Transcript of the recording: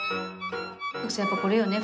徳さんやっぱこれよね。